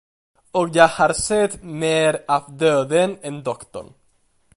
Och jag har sett mer av döden än doktorn.